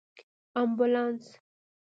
🚑 امبولانس